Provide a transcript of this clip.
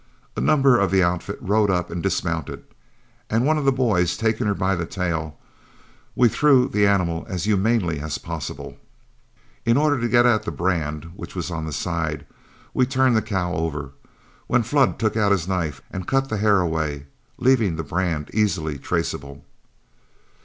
A number of the outfit rode up and dismounted, and one of the boys taking her by the tail, we threw the animal as humanely as possible. In order to get at the brand, which was on the side, we turned the cow over, when Flood took out his knife and cut the hair away, leaving the brand easily traceable.